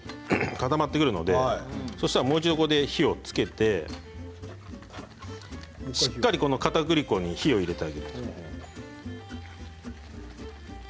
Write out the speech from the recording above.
固まってくるのでもう一度火をつけてしっかり、かたくり粉に火を入れてあげてください。